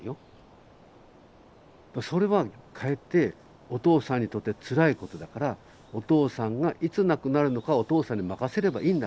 それはかえってお父さんにとってつらいことだからお父さんがいつ亡くなるのかはお父さんに任せればいいんだから。